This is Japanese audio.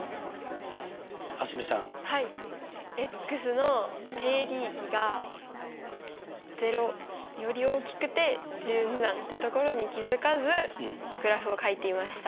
の定義域が０より大きくて１０未満ってところに気付かずグラフをかいていました。